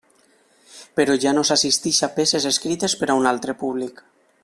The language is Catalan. Però ja no s'assisteix a peces escrites per a un altre públic.